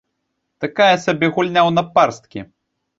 Такая сабе гульня ў напарсткі.